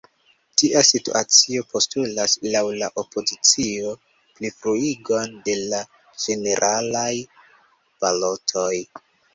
Tia situacio postulas, laŭ la opozicio, plifruigon de la ĝeneralaj balotoj.